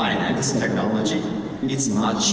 ini tidak murah